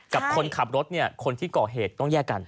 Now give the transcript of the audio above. กับคนขับรถเนี่ยคนที่ก่อเหตุต้องแยกกัน